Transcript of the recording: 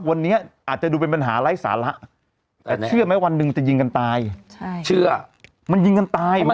วันนี้อาจจะดูเป็นปัญหาไร้สาระแต่เชื่อไหมวันหนึ่งมันจะยิงกันตายใช่เชื่อมันยิงกันตาย